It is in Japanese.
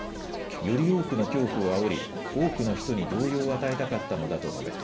より多くの恐怖をあおり多くの人に動揺を与えたかったのだと述べ